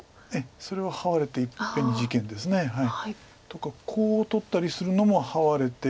それはハワれていっぺんに事件です。とかコウを取ったりするのもハワれて。